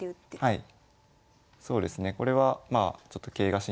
はい。